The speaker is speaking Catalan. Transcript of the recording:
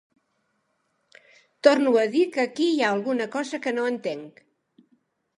Torno a dir que aquí hi ha alguna cosa que no entenc.